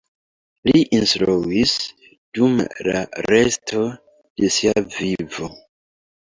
Li instruis dum la resto de sia vivo.